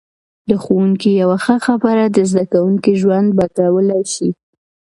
د ښوونکي یوه ښه خبره د زده کوونکي ژوند بدلولای شي.